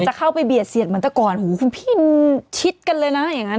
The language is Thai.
เข้าไปเบียดเสียดเหมือนแต่ก่อนหูคุณพี่มันชิดกันเลยนะอย่างนั้น